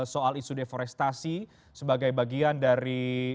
soal isu deforestasi sebagai bagian dari